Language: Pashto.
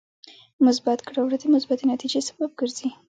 مثبت کړه وړه د مثبتې نتیجې سبب ګرځي.